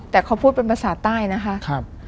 แต่เขาพูดเป็นภาษาใต้นะคะ